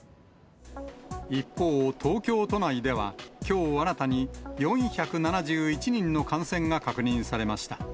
一方、東京都内では、きょう新たに４７１人の感染が確認されました。